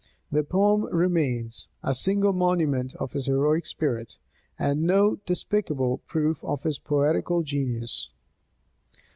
The poem remains; a single monument of his heroic spirit, and no despicable proof of his poetical genius.